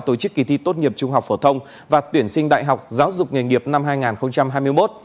tổ chức kỳ thi tốt nghiệp trung học phổ thông và tuyển sinh đại học giáo dục nghề nghiệp năm hai nghìn hai mươi một